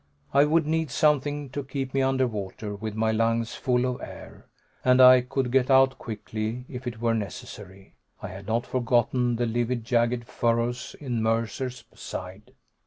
I would need something to keep me under water, with my lungs full of air, and I could get out quickly if it were necessary. I had not forgotten the livid, jagged furrows in Mercer's side.